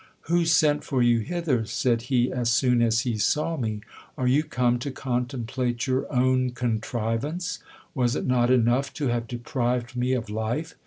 Who sent for you hither ? said he as soon as he saw me ; are you come to contemplate your own contrivance ? Was it not enough to have deprived me of life